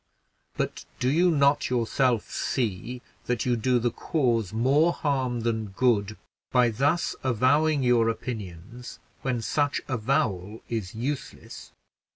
but do you not yourself see that you do the cause more harm than good by thus avowing your opinions when such avowal is useless?